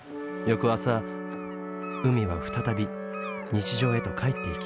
翌朝海未は再び日常へと帰っていきます。